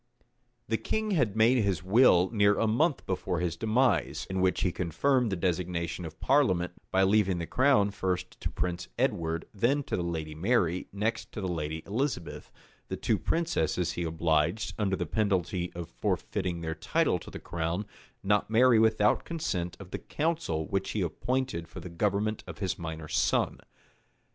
The king had made his will near a month before his demise; in which he confirmed the destination of parliament, by leaving the crown first to Prince Edward, then to the lady Mary, next to the lady Elizabeth: the two princesses he obliged, under the penalty of forfeiting their title to the crown, not to marry without consent of the council which he appointed for the government of his minor son.